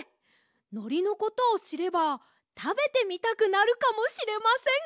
のりのことをしればたべてみたくなるかもしれません。